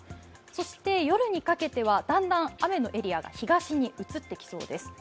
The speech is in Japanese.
そして夜にかけてはだんだん雨のエリアが東に移っていきそうです。